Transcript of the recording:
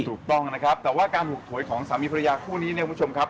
ถูกต้องนะครับแต่ว่าการถูกหวยของสามีภรรยาคู่นี้เนี่ยคุณผู้ชมครับ